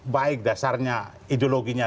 baik dasarnya ideologinya